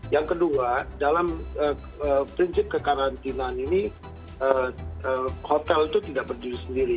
yang kedua dalam prinsip kekarantinaan ini hotel itu tidak berdiri sendiri